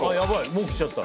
もうきちゃった。